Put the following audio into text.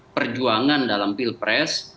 perjuangan dalam pilpres